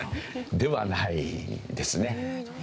ではないですね。